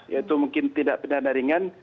yaitu mungkin tidak pedana ringan